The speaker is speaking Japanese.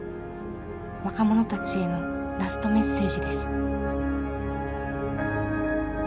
若者たちへのラストメッセージです。